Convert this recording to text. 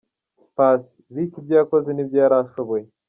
Paccy: Lick ibyo yakoze ni ibyo yari ashoboye.